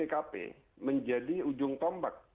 tugas bpkp menjadi ujung tombak